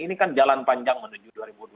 ini kan jalan panjang menuju dua ribu dua puluh